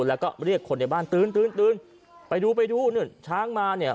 แล้วก็เรียกคนในบ้านตื่นตื่นตื่นไปดูไปดูนู่นช้างมาเนี่ย